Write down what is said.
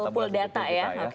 pool data ya